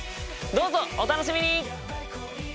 どうぞお楽しみに！